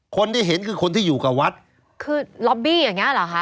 คนที่เห็นคือคนที่อยู่กับวัดคือล็อบบี้อย่างเงี้เหรอคะ